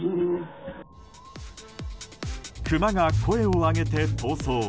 クマが声を上げて逃走。